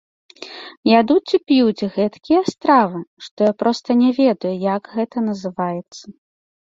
Ядуць і п'юць гэткія стравы, што я проста не ведаю, як гэта называецца.